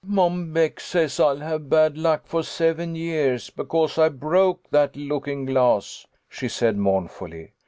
" Mom Beck says I'll have bad luck for seven years because I broke that looking glass," she said, mournfully.